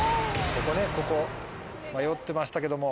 ここねここ迷ってましたけども。